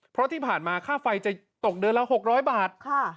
เพราะที่ผ่านมาค่าไฟจะตกเดือนละ๖๐๐บาท